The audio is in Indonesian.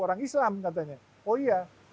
orang islam katanya oh iya